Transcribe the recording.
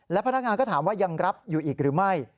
พนักงานก็ถามว่ายังรับอยู่อีกหรือไม่